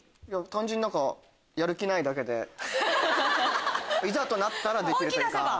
単純にやる気ないだけでいざとなったらできるというか。